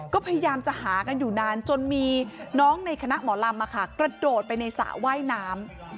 ก็พยายามจะหากันอยู่นานจนมีน้องในคณะหมอลำกระโดดไปในสระว่ายน้ำ